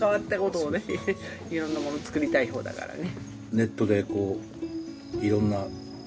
いろんなもの作りたいほうだからね。